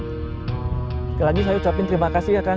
lagi lagi saya ucapin terima kasih ya kang